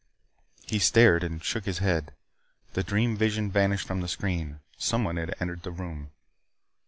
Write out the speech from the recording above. He stared and shook his head. The dream vision vanished from the screen. Someone had entered the room.